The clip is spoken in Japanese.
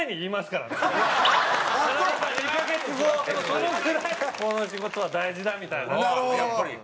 そのぐらいこの仕事は大事だみたいな感じで。